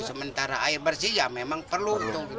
sementara air bersih ya memang perlu